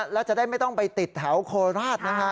แล้วจะได้ไม่ต้องไปติดแถวโคราชนะฮะ